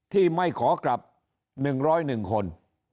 ที่ไม่ขอกลับ๑๐๑คน